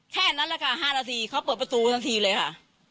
แค่นั้นแหละค่ะ๕นาทีเขาเปิดประตูทันทีเลยค่ะ